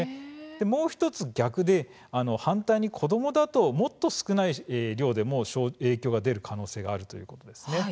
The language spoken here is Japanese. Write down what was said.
もう１つ、逆で反対に子どもだともっと少ない量でも影響が出る可能性があるということです。